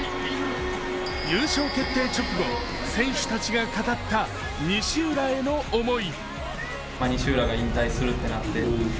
優勝決定直後、選手たちが語った西浦への思い。